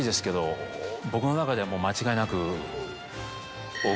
僕の中ではもう間違いなく。